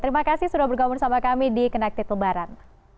terima kasih sudah bergabung bersama kami di kenaaktif lebaran